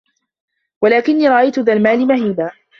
وَلَكِنِّي رَأَيْت ذَا الْمَالِ مَهِيبًا